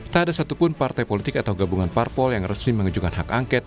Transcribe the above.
tak ada satupun partai politik atau gabungan parpol yang resmi mengejukan hak angket